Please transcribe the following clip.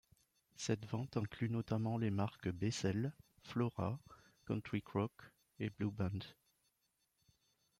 Cette vente inclut notamment les marques Becel, Flora, Country Crock et Blue Band.